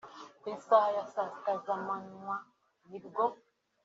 Ku isaha ya saa sita z’ amanywa nibwo